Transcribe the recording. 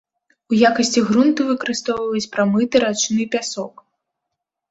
У якасці грунту выкарыстоўваюць прамыты рачны пясок.